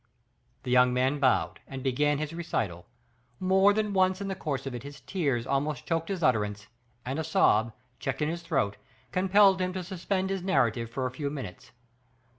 The young man bowed, and began his recital; more than once in the course of it his tears almost choked his utterance, and a sob, checked in his throat, compelled him to suspend his narrative for a few minutes.